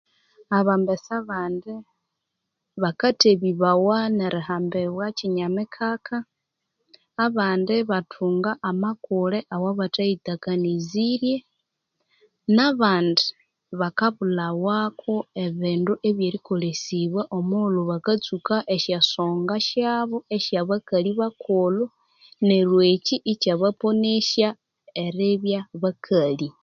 Abambesa abandi bakathebibawa nerihambibwa kyinyamikaka, abandi ibathunga amakule awabathayitakanizirye, nabandi bakabulhawako ebindu ebye ebyerikolesibwa omughulhu bakatsuka esyasonga syabo esye abakali bakulhu neryo ekyi ikyaba ponesya eribya bakali.